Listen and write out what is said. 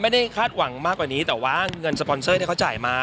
คาดหวังมากกว่านี้แต่ว่าเงินสปอนเซอร์ที่เขาจ่ายมา